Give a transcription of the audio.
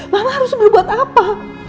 mama harus beli buat apa